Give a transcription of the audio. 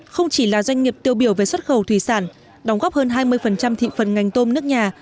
không chỉ là doanh nghiệp tiêu biểu về xuất khẩu thủy sản đóng góp hơn hai mươi thị phần ngành tôm nước nhà